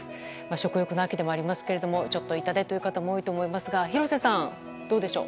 食欲の秋でもありますけれどもちょっと痛手という方も多いと思いますが廣瀬さん、どうでしょう。